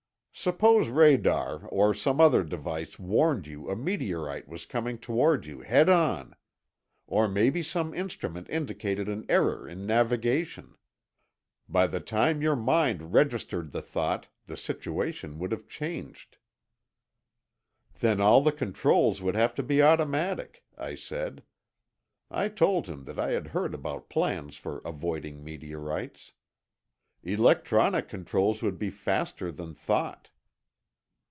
"Suppose radar or some other device warned you a meteorite was coming toward you head on. Or maybe some instrument indicated an error in navigation. By the time your mind registered the thought, the situation would have changed." "Then all the controls would have to be automatic," I said. I told him that I had heard about plans for avoiding meteorites. "Electronic controls would be faster than thought."